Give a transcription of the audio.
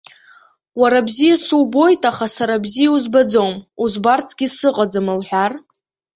Уара бзиа субоит, аха сара бзиа узбаӡом, узбарцгьы сыҟаӡам лҳәар?!